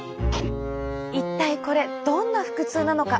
一体これどんな腹痛なのか。